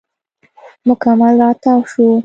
مکمل راتاو شو.